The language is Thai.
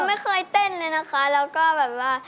ไม่เคยเต้นเลยนะคะแล้วก็แบบว่า